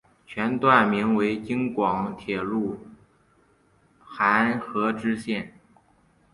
全段名为京广铁路邯和支线。